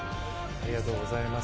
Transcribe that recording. ありがとうございます。